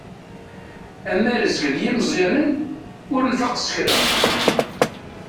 Amarezg n yimeẓẓyanen ur nfaq s kra.